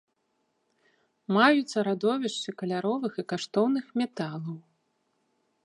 Маюцца радовішчы каляровых і каштоўных металаў.